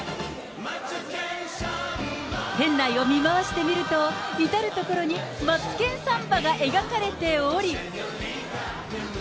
店内を見回してみると、至る所にマツケンサンバが描かれており。